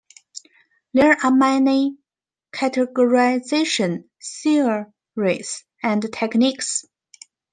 There are many categorization theories and techniques.